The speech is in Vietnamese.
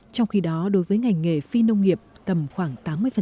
trong khi đó đối với ngành nghề phi nông nghiệp tầm khoảng tám mươi